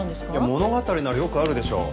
物語ならよくあるでしょう。